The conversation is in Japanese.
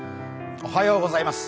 おはようございます。